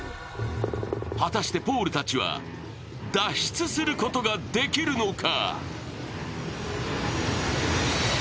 果たしてポールたちは脱出することができるのか？